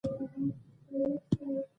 ته ولي ډېر خوراک کوې؟